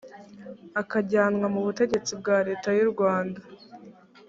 akajyanwa mu butegetsi bwa leta y’u rwanda